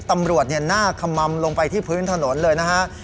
ตำรวจหน้าขมัมลงไปที่พื้นถนนเลยนะฮะ